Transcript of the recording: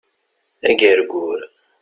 Agergur